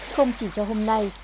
không chỉ cho hôm nay